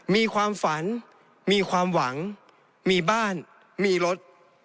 มีความฝันมีความหวังมีบ้านมีรถ